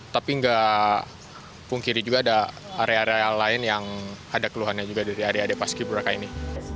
tapi nggak pungkiri juga ada area area lain yang ada keluhannya juga dari area area paski beraka ini